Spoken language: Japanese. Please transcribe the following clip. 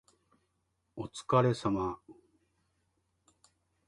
お疲れ様